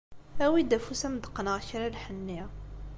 Awi-d afus ad am-d-qqneɣ kra n lḥenni